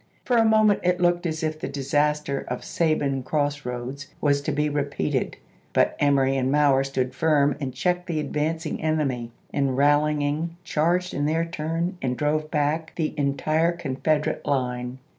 For a moment it looked as if the disaster of Sabine Cross Eoads was to be re peated; but Emory and Mower stood firm and checked the advancing enemy, and rallying charged in their turn and drove back the entire Confederate line.